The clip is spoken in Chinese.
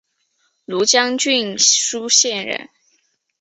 庐江郡舒县人。